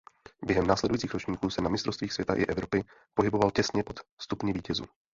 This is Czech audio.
Během následujících ročníků se na mistrovstvích světa i Evropy pohyboval těsně pod stupni vítězů.